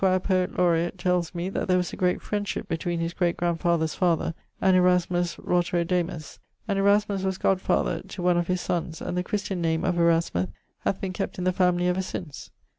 Poet Laureat, tells me that there was a great friendship between his great grandfather's father and Erasmus Roterodamus, and Erasmus was god father to one of his sonnes, and the Christian name of Erasmus hath been kept in the family ever since.